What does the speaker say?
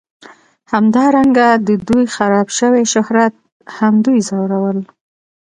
همدارنګه د دوی خراب شوي شهرت هم دوی ځورول